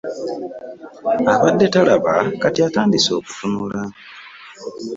Abadde talaba kati atandise okutunula.